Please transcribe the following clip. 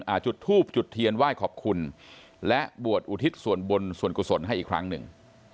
จุดทูบจุดเทียนไหว้ขอบคุณและบวชอุทิศส่วนบุญส่วนกุศลให้อีกครั้งหนึ่ง